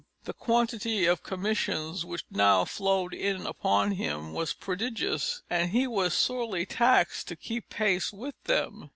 The quantity of commissions which now flowed in upon him was prodigious, and he was sorely taxed to keep pace with them.